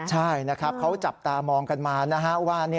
ใช่นะครับเขาจับตามองกันมานะฮะว่า